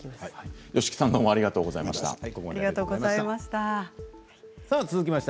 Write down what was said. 吉木さんありがとうございました。